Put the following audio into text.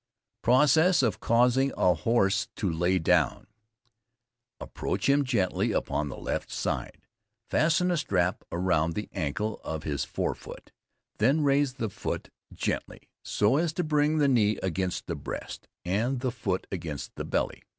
PROCESS OF CAUSING A HORSE TO LAY DOWN. Approach him gently upon the left side, fasten a strap around the ancle of his fore foot; then raise the foot gently, so as to bring the knee against the breast and the foot against the belly.